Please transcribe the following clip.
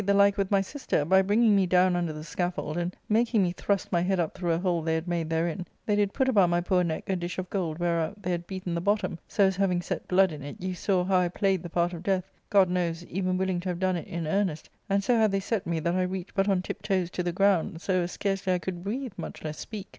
351 the like with my sister, by bringing me downninder the scaf fold, and, making me thrust my head up through a hole they had made therein, they did put about my poor neck a dish of gold whereout they had beaten the bottom, so as having set blood in it, you saw how I played the part of death — God knows, even willing to have done it in earnest — and so had they set me that I reached but on tiptoes to the ground, so as scarcely I could breathe, much less speak.